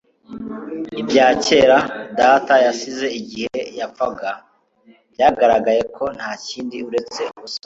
Ibya kera data yasize igihe yapfaga byagaragaye ko nta kindi uretse ubusa